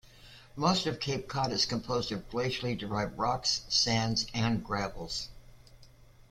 Most of Cape Cod is composed of glacially derived rocks, sands, and gravels.